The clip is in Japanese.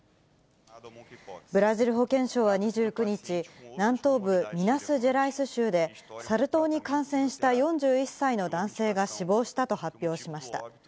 ブラジル保健省は２９日、南東部ミナスジェライス州で、サル痘に感染した４１歳の男性が死亡したと発表しました。